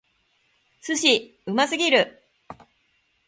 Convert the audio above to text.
寿司！うますぎる！